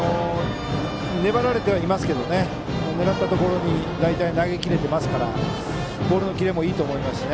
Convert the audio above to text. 粘られてはいますけど狙ったところに大体、投げ切れているのでボールのキレもいいと思います。